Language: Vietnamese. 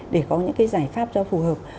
để có những cái giải pháp cho phù hợp